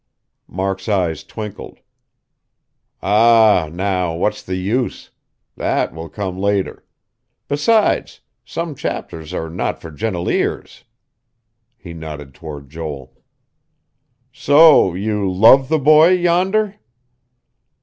Mark's eyes twinkled. "Ah, now, what's the use? That will come later. Besides some chapters are not for gentle ears." He nodded toward Joel. "So you love the boy, yonder?"